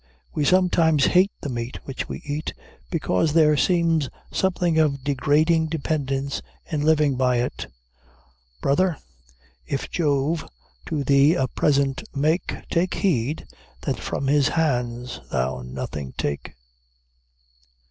We sometimes hate the meat which we eat, because there seems something of degrading dependence in living by it. "Brother, if Jove to thee a present make, Take heed that from his hands thou nothing take."